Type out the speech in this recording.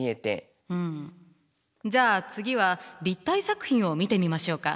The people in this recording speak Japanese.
じゃあ次は立体作品を見てみましょうか。